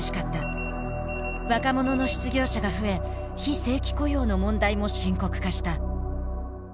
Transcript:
若者の失業者が増え非正規雇用の問題も深刻化した。